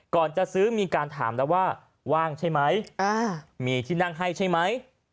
ก่อนจะซื้อมีการถามแล้วว่าว่างใช่ไหมมีที่นั่งให้ใช่ไหม